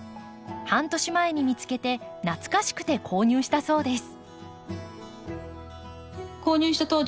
半年前に見つけて懐かしくて購入したそうです。